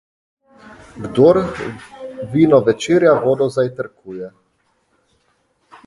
Kdor vino večerja, vodo zajtrkuje.